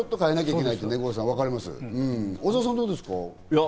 小澤さん、どうですか？